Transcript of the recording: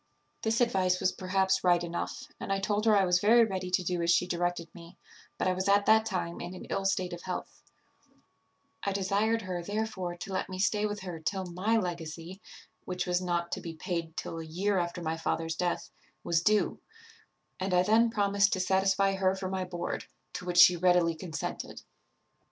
"This advice was perhaps right enough; and I told her I was very ready to do as she directed me, but I was at that time in an ill state of health; I desired her therefore to let me stay with her till my legacy, which was not to be paid till a year after my father's death, was due; and I then promised to satisfy her for my board, to which she readily consented.